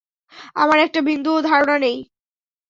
আমার একটা বিন্দুও ধারণা নেই!